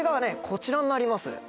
こちらになります